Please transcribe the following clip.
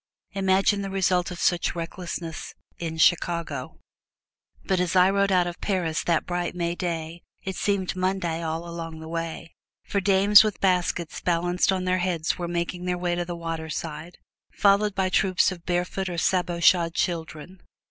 Imagine the result of such recklessness in Chicago! But as I rode out of Paris that bright May day it seemed Monday all along the way; for dames with baskets balanced on their heads were making their way to the waterside, followed by troops of barefoot or sabot shod children.